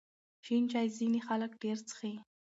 شین چای ځینې خلک ډېر څښي.